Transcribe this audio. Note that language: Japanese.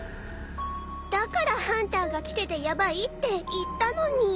だからハンターが来ててヤバいって言ったのに。